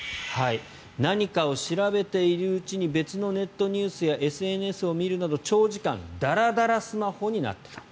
何かを調べているうちに別のネットニュースやＳＮＳを見るなど長時間だらだらスマホになっている。